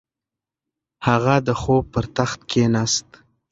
هغه د خوب پر تخت کیناست.